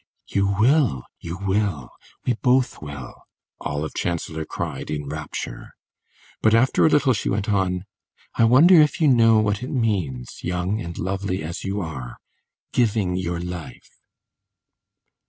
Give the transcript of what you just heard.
"You will, you will, we both will!" Olive Chancellor cried, in rapture. But after a little she went on: "I wonder if you know what it means, young and lovely as you are giving your life!"